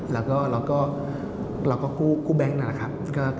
แล้วก็กู้แบงค์นะครับ